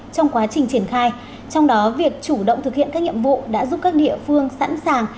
trong quá trình triển khai trong đó việc chủ động thực hiện các nhiệm vụ đã giúp các địa phương sẵn sàng